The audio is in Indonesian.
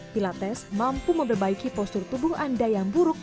pilates mampu memperbaiki postur tubuh anda yang buruk